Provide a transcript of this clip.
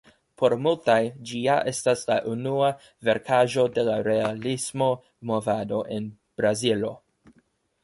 Por multaj ĝi ja estas la unua verkaĵo de la realismo movado en Brazilo.